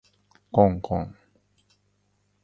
こんこん